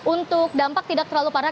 untuk dampak tidak terlalu parah